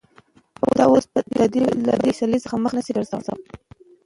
ته اوس له دې فېصلې څخه مخ نشې ګرځولى.